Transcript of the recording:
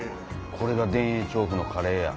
これが田園調布のカレーや。